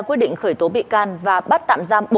quyết định khởi tố bị can và bắt tạm giam